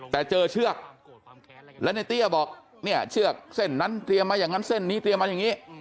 แต่เจอเชือกแล้วในเตี้ยบอกเนี่ยเชือกเส้นนั้นเตรียมมาอย่างนั้นเส้นนี้เตรียมมาอย่างนี้